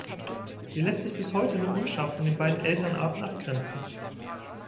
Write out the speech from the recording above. Sie lässt sich bis heute nur unscharf von den beiden Elternarten abgrenzen.